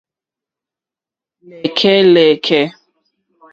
Lɛ̀kɛ́lɛ̀kɛ̀.